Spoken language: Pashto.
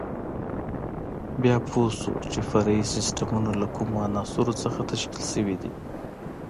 بیا پوه شو چې فرعي سیسټمونه له کومو عناصرو څخه تشکیل شوي دي.